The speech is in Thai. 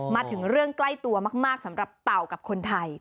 มาถึงเรื่องใกล้ตัวมากสำหรับเต่ากับคนไทย